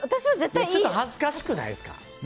ちょっと恥ずかしくないですか？